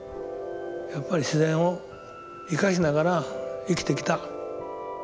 やっぱり自然を生かしながら生きてきた。